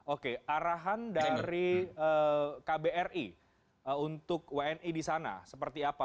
oke arahan dari kbri untuk wni di sana seperti apa